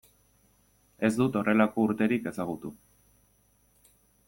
Ez dut horrelako urterik ezagutu.